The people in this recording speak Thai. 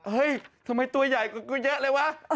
เฮ้ยทำไมตัวใหญ่ก็เยอะเลยวะ